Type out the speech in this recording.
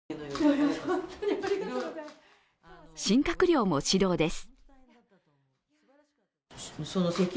新閣僚も始動です。